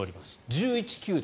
１１球団。